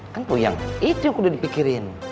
kan poe yang itu udah dipikirin